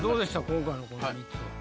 今回のこの３つは。